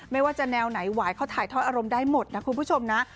ไม่ว่าจะแนวไหนหวายเขาถ่ายทอดอารมณ์ได้หมดนะคุณผู้ชมนะ